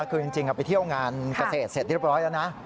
คือจริงไปเที่ยวงานเกษตรเสร็จเรียบร้อยแล้วนะ